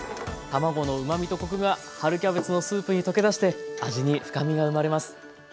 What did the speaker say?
卵のうまみとコクが春キャベツのスープに溶け出して味に深みが生まれます。